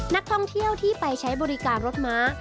นักท่องเที่ยวที่ไปใช้บริการรถม้า